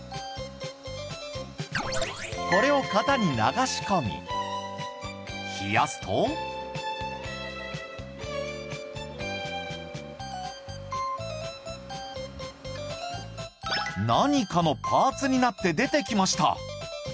これを型に流し込み冷やすと何かのパーツになって出てきました